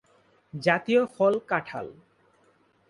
জাতীয় ফল কাঁঠাল।